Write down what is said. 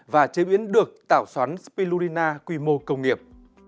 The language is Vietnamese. và chế biến được tảo xoắn spirulina quy mô công nghiệp